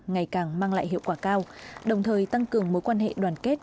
ngày càng mang lại hiệu quả cao đồng thời tăng cường mối quan hệ đoàn kết